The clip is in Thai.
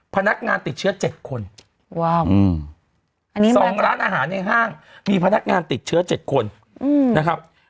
พนักงานติดเชื้อ๗คนว้าวอันนี้๒ร้านอาหารในห้างมีพนักงานติดเชื้อ๗คนนะครับ